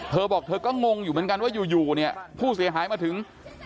เธอบอกเธอก็งงอยู่เหมือนกันว่าอยู่เนี่ยผู้เสียหายมาถึง